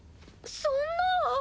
そんな！